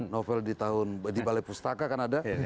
novel di balai pustaka kan ada